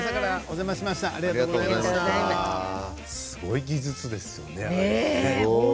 すごい技術ですね。